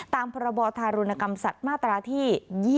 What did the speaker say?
ตามพรบธารุณกรรมสัตว์มาตราที่๒๒